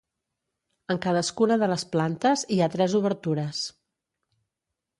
En cadascuna de les plantes hi ha tres obertures.